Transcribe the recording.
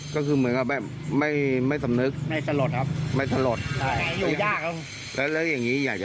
ก็คือเหมือนครับแม่มไม่ไม่สำนึกไม่ถลดครับ